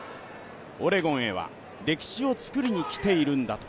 オレゴンへは歴史をつくりに来ているんだと。